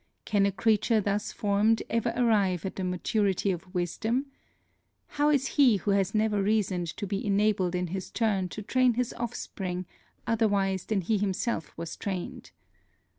Can a creature thus formed ever arrive at the maturity of wisdom? How is he who has never reasoned to be enabled in his turn to train his offspring otherwise than he himself was trained.